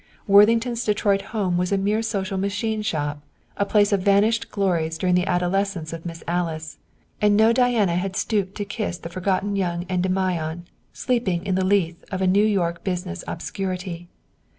Worthington's Detroit home was a mere social machine shop, a place of vanished glories during the adolescence of Miss Alice, and no Diana had stooped to kiss the forgotten young Endymion sleeping in the Lethe of a New York business obscurity.